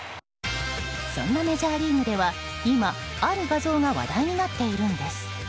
そんなメジャーリーグでは今、ある画像が話題になっているんです。